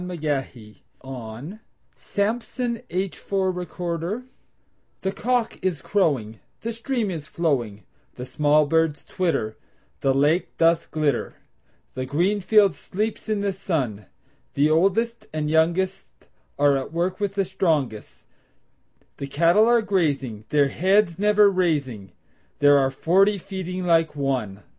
William Wordsworth Written in March THE cock is crowing, The stream is flowing, The small birds twitter, The lake doth glitter The green field sleeps in the sun; The oldest and youngest Are at work with the strongest; The cattle are grazing, Their heads never raising; There are forty feeding like one!